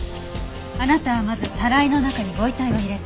あなたはまずタライの中にご遺体を入れた。